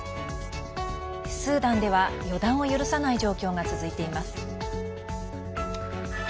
スーダンでは予断を許さない状況が続いています。